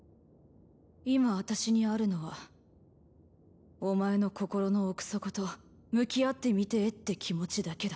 今私にあるのはお前の心の奥底と向き合ってみてぇって気持ちだけだ。